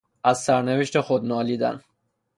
از سرنوشت خود نالیدن